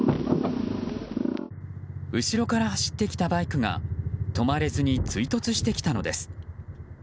後ろから走ってきたバイクが止まれずに追突してきたのです。